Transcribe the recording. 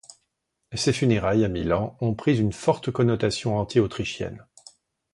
Ses funérailles, à Milan, ont pris une forte connotation anti-autrichienne.